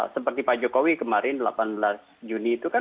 seperti pak jokowi kemarin delapan belas juni itu kan